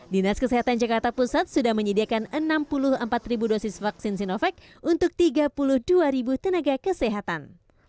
dinas kesehatan jakarta pusat sudah menyediakan enam puluh empat dosis vaksin sinovac untuk tiga puluh dua tenaga kesehatan